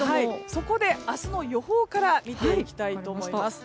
そこで明日の予報から見ていきたいと思います。